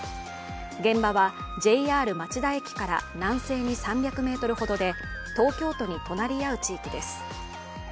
現場はＪＲ町田駅から南西に３００ｍほどで東京都に隣り合う地域です。